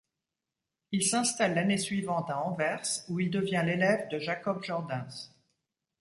Il s'installe l'année suivante à Anvers, où il devient l'élève de Jacob Jordaens.